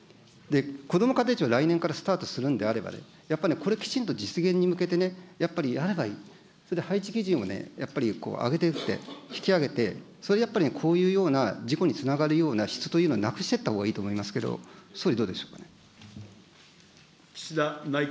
こども家庭庁、来年からスタートするんであればね、やっぱね、これ、きちんと実現に向けてね、やっぱりやればいい、配置基準をね、やっぱり上げていって、引き上げて、それでやっぱりこういうような事故につながるような質というのをなくしていったほうがいいと思いますけど、総理、どうでしょう。